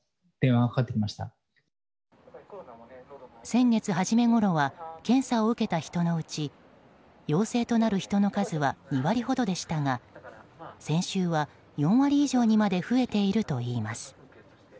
先月初めごろは検査を受けた人のうち陽性となる人の数は２割ほどでしたが先週は４割以上にまで増えているといいます。